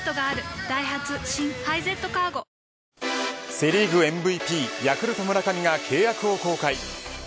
セ・リーグＭＶＰヤクルト村上が契約を更改。